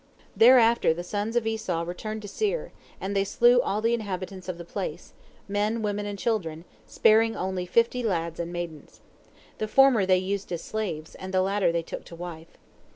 Thereafter the sons of Esau returned to Seir, and they slew all the inhabitants of the place, men, women, and children, sparing only fifty lads and maidens. The former they used as slaves, and the latter they took to wife.